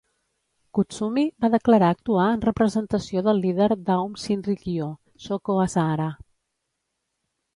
Kutsumi va declarar actuar en representació del líder d'Aum Shinrikyo, Shoko Asahara.